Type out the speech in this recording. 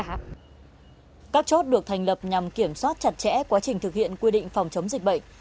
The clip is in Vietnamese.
các chốt được thành lập nhằm kiểm soát chặt chẽ quá trình thực hiện quy định phòng chống dịch bệnh